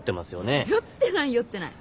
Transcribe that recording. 酔ってない酔ってない。